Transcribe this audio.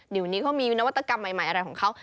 เดี๋ยวนี้เขามีนวัตกรรมใหม่อะไรของเขา